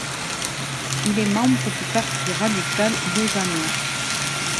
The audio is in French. Il est membre du parti radical lausannois.